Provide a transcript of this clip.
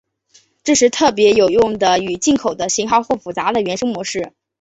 这是特别有用的与进口的型号或复杂的原生模式。